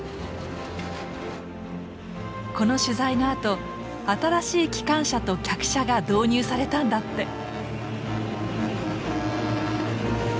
この取材のあと新しい機関車と客車が導入されたんだって。